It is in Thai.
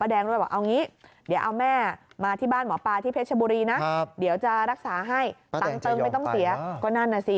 ตังค์เติมไม่ต้องเสียก็นั่นน่ะสิ